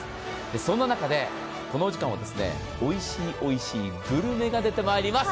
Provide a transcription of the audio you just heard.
そんな中でこのお時間はおいしいおいしいグルメが出てまいります。